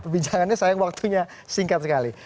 perbincangannya sayang waktunya singkat sekali